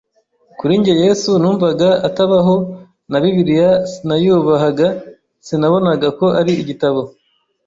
Kuri njye Yesu numvaga atabaho na Bibiliya sinayubahaga sinabonaga ko ari igitabo